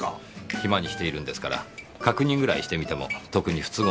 暇にしているんですから確認ぐらいしてみても特に不都合はないと思いますよ。